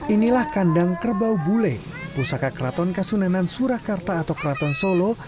inilah kandang kerbau bule pusaka keraton kasunanan surakarta atau keraton solo